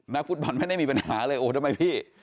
ฟุตบอลไม่ได้มีปัญหาเลยโอ้ทำไมพี่